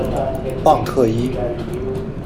旺特伊。